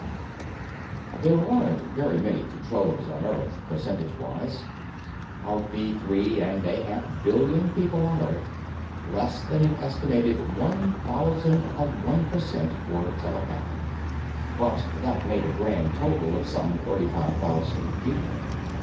There weren't very many Controllers on Earth, percentagewise. Of the three and a half billion people on Earth, less than an estimated one thousandth of one percent were telepathic. But that made a grand total of some thirty five thousand people.